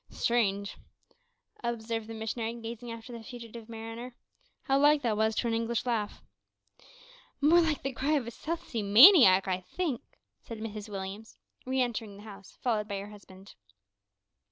"Strange," observed the missionary, gazing after the fugitive mariner, "how like that was to an English laugh!" "More like the cry of a South Sea maniac, I think," said Mrs Williams, re entering the house, followed by her husband.